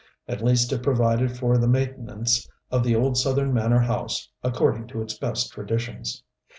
At least it provided for the maintenance of the old southern manor house according to its best traditions.